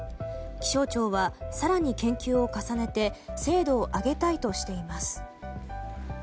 気象庁は、更に研究を重ねて精度を上げたいとしています。